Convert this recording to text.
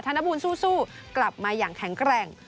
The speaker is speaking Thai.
นบูลสู้กลับมาอย่างแข็งแกร่ง